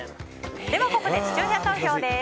ここで、視聴者投票です。